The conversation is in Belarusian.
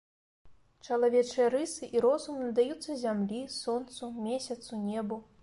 Чалавечыя рысы і розум надаюцца зямлі, сонцу, месяцу, небу.